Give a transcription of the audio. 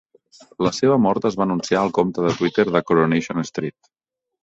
La seva mort es va anunciar al compte de Twitter de "Coronation Street".